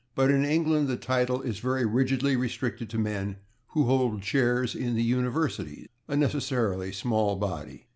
But in England the title is very rigidly restricted to men who hold chairs in the universities, a necessarily small body.